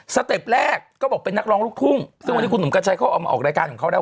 เต็ปแรกก็บอกเป็นนักร้องลูกทุ่งซึ่งวันนี้คุณหนุ่มกัญชัยเขาออกมาออกรายการของเขาแล้ว